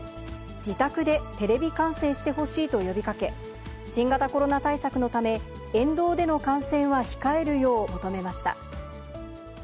自宅でテレビ観戦してほしいと呼びかけ、新型コロナ対策のため、沿道での観戦は控えるよう求めました。